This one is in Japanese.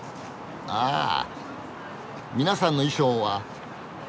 皆さんの衣装は。